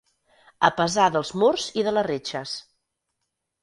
A pesar dels murs i de les reixes.